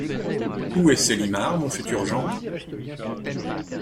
Où est Célimare… mon futur gendre ?